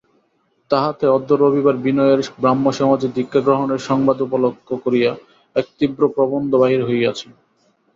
তাহাতে অদ্য রবিবারে বিনয়ের ব্রাহ্মসমাজে দীক্ষাগ্রহণের সংবাদ উপলক্ষ করিয়া এক তীব্র প্রবন্ধ বাহির হইয়াছেন।